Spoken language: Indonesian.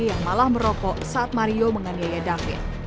yang malah merokok saat mario menganiaya david